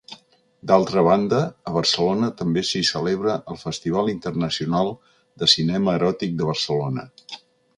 D'altra banda, a Barcelona també s'hi celebra el Festival Internacional de Cinema Eròtic de Barcelona.